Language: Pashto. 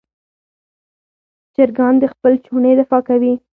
چرګان د خپل چوڼې دفاع کوي.